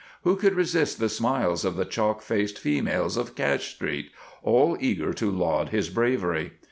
Who could resist the smiles of the chalk faced females of Cash Street, all eager to laud his bravery.